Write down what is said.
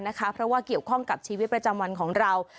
เพราะว่าเกี่ยวข้องกับชีวิตประจำวันของเรา